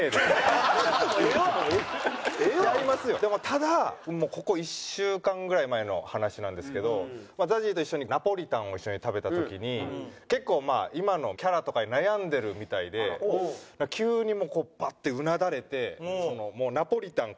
ただここ１週間ぐらい前の話なんですけどＺＡＺＹと一緒にナポリタンを一緒に食べた時に結構まあ今のキャラとかに悩んでるみたいで急にこうパッてうなだれてナポリタン